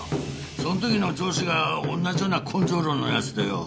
そんときの上司がおんなじような根性論のやつでよ。